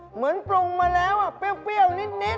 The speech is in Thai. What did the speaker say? เหมือนปรุงมาแล้วเปรี้ยวนิด